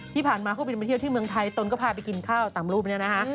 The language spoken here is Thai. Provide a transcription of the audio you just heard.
ที่ผ่านมาเขาบินมาเที่ยวที่เมืองไทยตนก็พาไปกินข้าวตามรูปนี้นะคะ